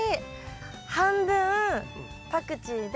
半分パクチーで。